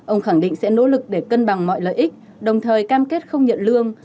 ông khẳng định sẽ nỗ lực để cân bằng mọi lợi ích đồng thời cam kết không nhận lương